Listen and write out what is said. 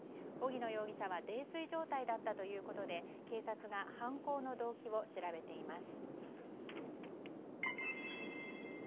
荻野容疑者は泥酔状態だったということで警察が犯行の動機を調べています。